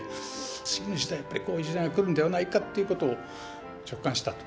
「次の時代ってこういう時代が来るんではないか？」ということを直感したと。